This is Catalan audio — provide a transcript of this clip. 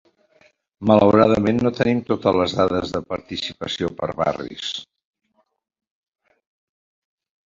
Malauradament no tenim totes les dades de participació per barris.